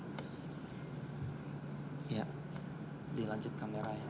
hai ketik punya kameranya